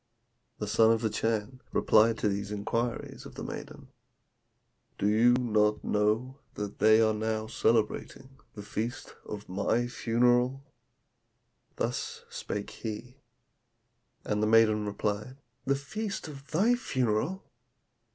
The son of the Chan replied to these inquiries of the maiden, 'Do you not know that they are now celebrating the feast of my funeral?' Thus spake he; and the maiden replied, 'The feast of thy funeral!